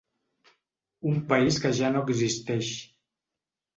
Un país que ja no existeix.